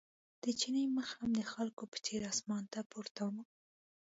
د چیني مخ هم د خلکو په څېر اسمان ته پورته و.